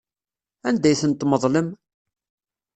Anda ay tent-tmeḍlem?